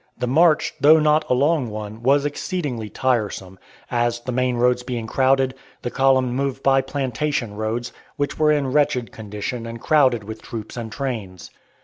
The march, though not a long one, was exceedingly tiresome, as, the main roads being crowded, the column moved by plantation roads, which were in wretched condition and crowded with troops and trains.